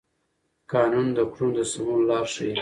قانون د کړنو د سمون لار ښيي.